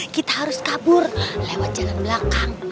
kita harus kabur lewat jalan belakang